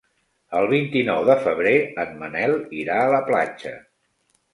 El vint-i-nou de febrer en Manel irà a la platja.